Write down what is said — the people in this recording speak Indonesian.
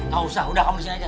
gak usah udah kamu disini aja